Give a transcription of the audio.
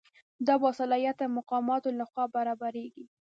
دا د باصلاحیته مقاماتو لخوا برابریږي.